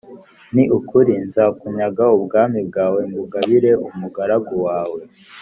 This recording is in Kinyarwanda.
ni ukuri nzakunyaga ubwami bwawe mbugabire umugaragu wawe